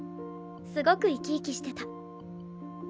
すごく生き生きしてた。